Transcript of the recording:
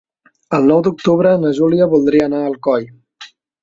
El nou d'octubre na Júlia voldria anar a Alcoi.